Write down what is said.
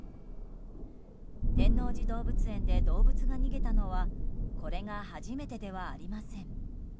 天王寺動物園で動物が逃げたのはこれが初めてではありません。